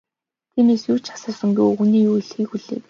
Тиймээс юу ч асуусангүй, өвгөний юу хэлэхийг хүлээв.